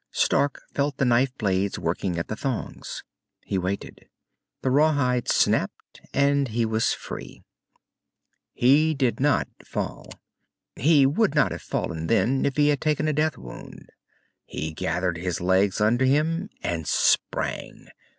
Stark felt the knife blades working at the thongs. He waited. The rawhide snapped, and he was free. He did not fall. He would not have fallen then if he had taken a death wound. He gathered his legs under him and sprang.